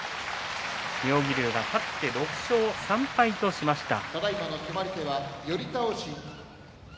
妙義龍は勝って６勝３敗としました。